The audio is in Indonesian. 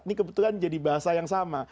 ini kebetulan jadi bahasa yang sama